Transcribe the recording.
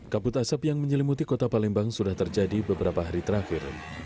kabut asap yang menyelimuti kota palembang sudah terjadi beberapa hari terakhir